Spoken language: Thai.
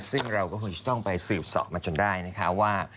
ซึ่งเราก็คงจะต้องไปสืบสอบมาจนได้นะคะว่า